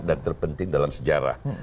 dan terpenting dalam sejarah